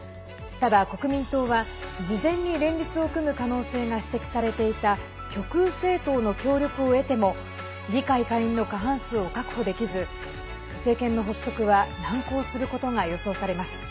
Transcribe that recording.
ただ、国民党は事前に連立を組む可能性が指摘されていた極右政党の協力を得ても議会下院の過半数を確保できず政権の発足は難航することが予想されます。